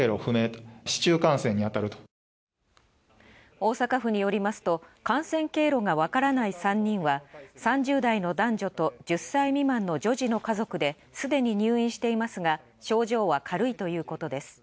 大阪府によりますと感染経路がわからない３人は３０代の男女と１０歳未満の女児の家族ですでに入院していますが、症状は軽いということです。